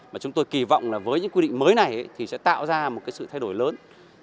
và chúng tôi kỳ vọng là với những quy định mới này thì sẽ tạo ra một cái sự thay đổi lớn